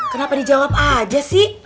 kenapa dijawab aja sih